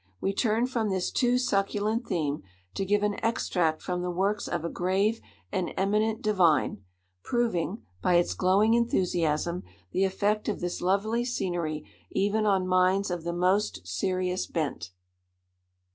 We turn from this too succulent theme, to give an extract from the works of a grave and eminent divine; proving, by its glowing enthusiasm, the effect of this lovely scenery even on minds of the most serious bent.